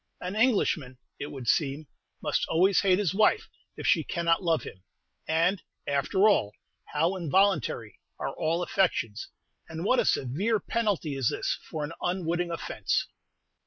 An Englishman, it would seem, must always hate his wife if she cannot love him; and, after all, how involuntary are all affections, and what a severe penalty is this for an unwitting offence!